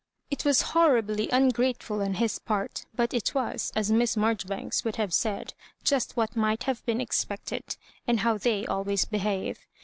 It was horribly ungrateful on his part, but it was, as Miss Mar joribanks would have said, just what might have been expected, and how They always behave.